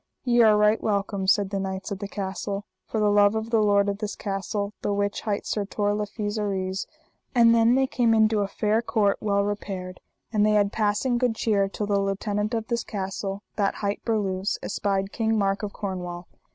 Ye are right welcome, said the knights of the castle, for the love of the lord of this castle, the which hight Sir Tor le Fise Aries. And then they came into a fair court well repaired, and they had passing good cheer, till the lieutenant of this castle, that hight Berluse, espied King Mark of Cornwall.